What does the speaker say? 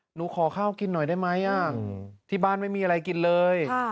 หนูขอข้าวกินหน่อยได้ไหมที่บ้านไม่มีอะไรกินเลย